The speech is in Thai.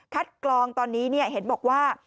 กลองตอนนี้เห็นบอกว่า